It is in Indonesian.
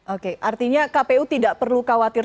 oke artinya kpu tidak perlu khawatir